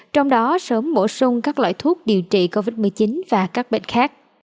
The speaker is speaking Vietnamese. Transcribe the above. trong đó sớm bổ sung các loại thuốc điều trị covid một mươi chín và các bệnh khác